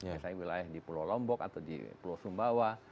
misalnya wilayah di pulau lombok atau di pulau sumbawa